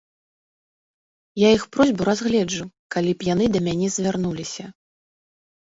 Я іх просьбу разгледжу, калі б яны да мяне звярнуліся.